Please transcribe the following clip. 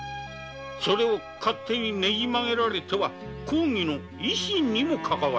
それを勝手にねじ曲げられては公儀の威信にかかわります。